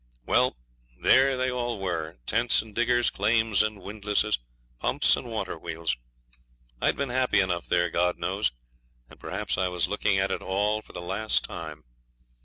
Well, there they all were, tents and diggers, claims and windlasses, pumps and water wheels. I had been happy enough there, God knows; and perhaps I was looking at it all for the last time.